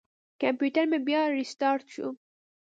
کمپیوټر مې بیا ریستارټ شو.